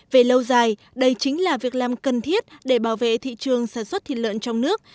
về lâu dài đây chính là việc làm cần thiết để bảo vệ thị trường sản xuất thịt lợn trong nước